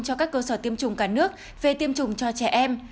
cho các cơ sở tiêm chủng cả nước về tiêm chủng cho trẻ em